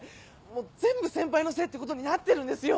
もう全部先輩のせいっていうことになってるんですよ！